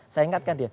saya ingatkan dia